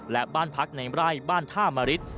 และบ้านพักในไร่บ้านท่ามริต